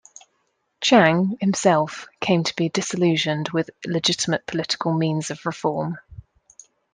Chiang himself came to be disillusioned with legitimate political means of reform.